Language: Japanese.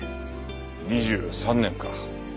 ２３年か。